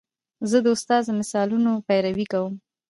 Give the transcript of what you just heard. زه د استاد د مثالونو پیروي کوم.